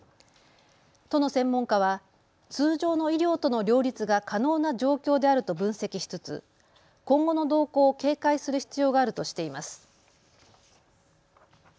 都の専門家は通常の医療との両立が可能な状況であると分析しつつ今後の動向を警戒する必要があるとしています。